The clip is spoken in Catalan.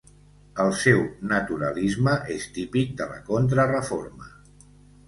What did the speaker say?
El seu naturalisme és típic de la Contrareforma.